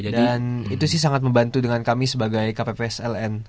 dan itu sih sangat membantu dengan kami sebagai kpps ln